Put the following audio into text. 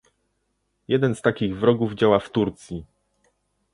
Jeden z takich wrogów działa w Turcji